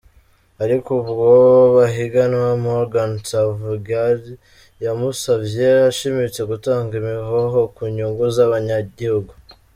Ariko uwo bahiganwa, Morgan Tsvangirai, yamusavye ashimitse gutanga imihoho ku nyungu z'abanyagihugu.